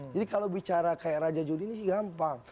jadi kalau bicara kayak raja juli ini sih gampang